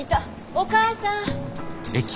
お母さん。